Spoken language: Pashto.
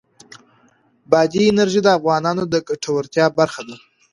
بادي انرژي د افغانانو د ګټورتیا برخه ده.